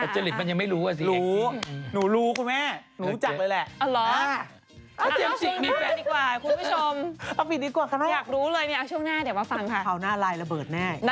จริงมันยังไม่รู้อะสิ